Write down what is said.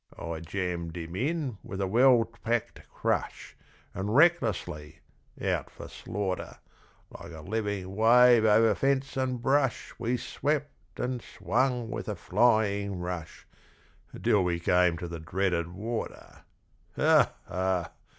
I jammed him in with a well packed crush, And recklessly out for slaughter Like a living wave over fence and brush We swept and swung with a flying rush, Till we came to the dreaded water. Ha, ha!